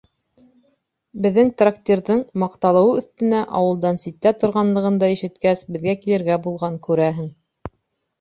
Беҙҙең трактирҙың, маҡталыуы өҫтөнә, ауылдан ситтә торғанлығын да ишеткәс, беҙгә килергә булған, күрәһең.